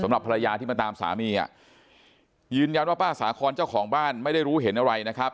สำหรับภรรยาที่มาตามสามีอ่ะยืนยันว่าป้าสาคอนเจ้าของบ้านไม่ได้รู้เห็นอะไรนะครับ